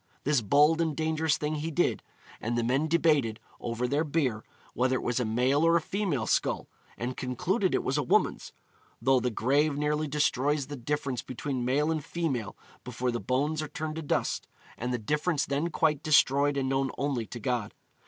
This bold and dangerous thing he did, and the men debated, over their beer, whether it was a male or a female skull, and concluded it was a woman's, 'though the grave nearly destroys the difference between male and female before the bones are turned to dust, and the difference then quite destroyed and known only to God.'